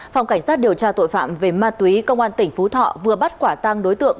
phòng cảnh sát điều tra tội phạm về ma túy công an tỉnh phú thọ vừa bắt quả tang đối tượng